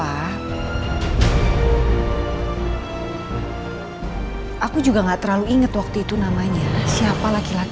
hai ini mana yang benar karena papa ngerasa ada yang disembunyikan dari papa atau yang bohong siapakah antara kamu atau siapa yang menembakmu